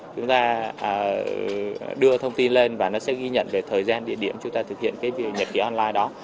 chúng ta đưa thông tin lên và nó sẽ ghi nhận về thời gian địa điểm chúng ta thực hiện cái việc nhật ký online đó